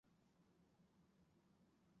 官至浙江盐运使。